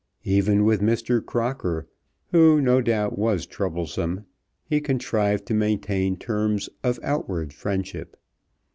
Even with Mr. Crocker, who no doubt was troublesome, he contrived to maintain terms of outward friendship.